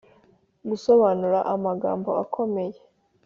-gusobanura amagambo akomeye;